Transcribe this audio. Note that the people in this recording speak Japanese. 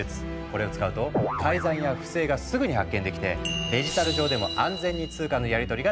これを使うと改ざんや不正がすぐに発見できてデジタル上でも安全に通貨のやりとりができるんだ。